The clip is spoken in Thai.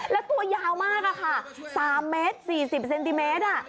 แล้วตัวยาวมากอะค่ะ๓เมตร๔๐เซนติเมตร